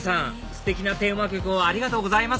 ステキなテーマ曲をありがとうございます